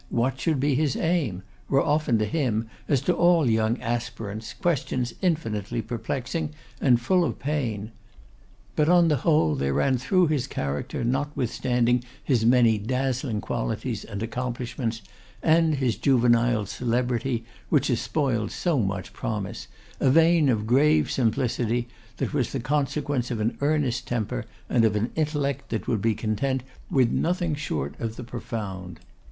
what should be his aim? were often to him, as to all young aspirants, questions infinitely perplexing and full of pain. But, on the whole, there ran through his character, notwithstanding his many dazzling qualities and accomplishments, and his juvenile celebrity, which has spoiled so much promise, a vein of grave simplicity that was the consequence of an earnest temper, and of an intellect that would be content with nothing short of the profound.